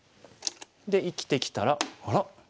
で生きてきたらあら？